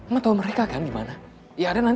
ma tau mereka kan gimana